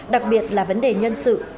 đặc biệt là vấn đề nhân sự